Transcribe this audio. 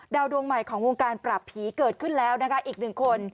ดวงใหม่ของวงการปราบผีเกิดขึ้นแล้วนะคะอีกหนึ่งคน